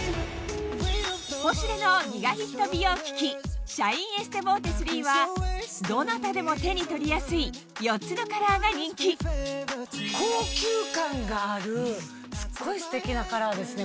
『ポシュレ』のギガヒット美容機器はどなたでも手に取りやすい４つのカラーが人気高級感があるすっごいステキなカラーですね。